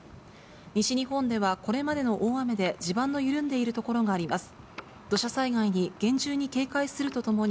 西日本ではこれまでの大雨で地盤の緩んでいる所があります。